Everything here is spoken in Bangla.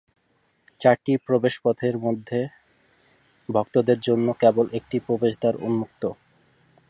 চারটি প্রবেশ পথের মধ্যে ভক্তদের জন্য কেবল একটি প্রবেশদ্বার উন্মুক্ত।